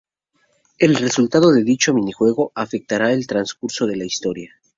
El resultado de dicho mini juego afectará al transcurso de la historia.